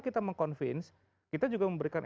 kita meng convince kita juga memberikan